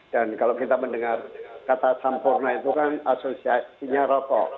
dan kalau kita mendengar kata sampurna itu kan asosiasinya rokok